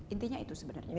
intinya itu sebenarnya